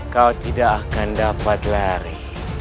kau tidak akan dapat lari